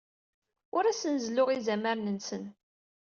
Ur asen-zelluɣ izamaren-nsen.